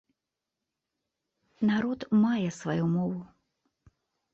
Народ мае сваю мову.